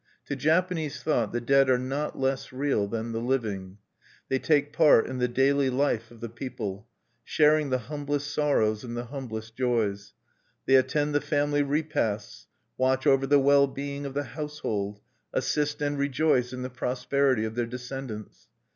To Japanese thought the dead are not less real than the living. They take part in the daily life of the people, sharing the humblest sorrows and the humblest joys. They attend the family repasts, watch over the well being of the household, assist and rejoice in the prosperity of their descendants.